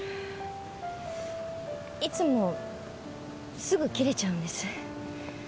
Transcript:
いつもすぐ切れちゃうんです。